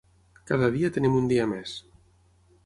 Cada dia tenim un dia més.